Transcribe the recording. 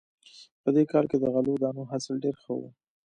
په دې کال کې د غلو دانو حاصل ډېر ښه و